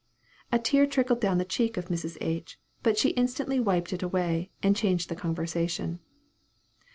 A tear trickled down the cheek of Mrs. H., but she instantly wiped it away, and changed the conversation.